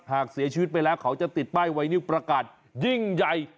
หากเสียชีวิตไปแล้วเขาจะติดป้ายไวนิวประกาศยิ่งใหญ่